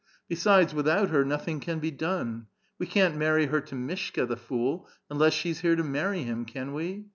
" Besides, without her, nothing can be done ; we can't marry her to Mishka, the fool, unless she's here to marry him, can we?